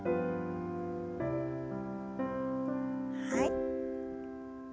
はい。